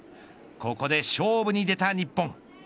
ここで勝負に出た日本。